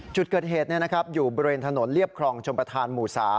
จุดเกิดเหตุอยู่บริเวณถนนเรียบครองชมประธานหมู่๓